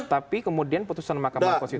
tapi kemudian putusan mahkamah konstitusi